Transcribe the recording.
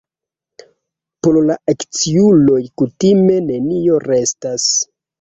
Por la akciuloj kutime nenio restas.